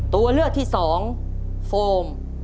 ตัวเลือกที่สองโฟม